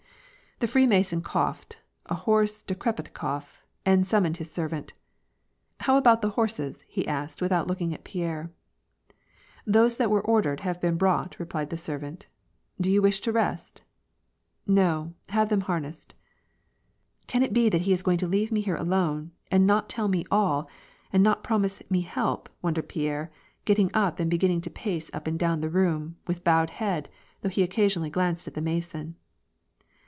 The Freemason coughed, a hoarse, decrepit cough, and sum moned his servant, —" How about the horses ?" he asked, without looking at Pierre. " Those that were ordered, have been brought," replied the servant. " Do you not wish to rest ?"" No, have them harnessed." " Can it be that he is going to leave me here alone, and not tell me all, and not promise me help," wondered Pierre, getting up, and beginning to pace up and down the room, with bowed head, though he occasionally glanced at the Mason.